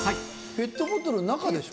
ペットボトルの中でしょ？